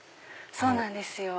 そうなんですよ。